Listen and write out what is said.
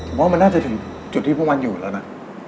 ผมว่ามันน่าจะถึงจุดที่พวกมันอยู่แล้วนะ